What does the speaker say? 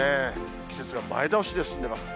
季節が前倒しで進んでます。